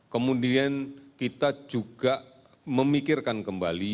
kemudian kita juga memikirkan kembali